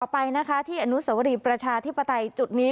ไปนะคะที่อนุสวรีประชาธิปไตยจุดนี้